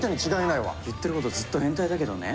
言ってることずっと変態だけどね。